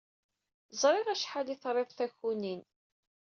Ẓriɣ acḥal ay trid takunin.